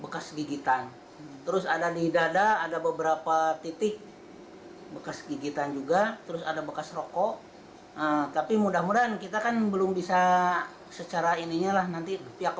kami dari pihak rumah sakit kan dari dokter spesialis anak lagi menangani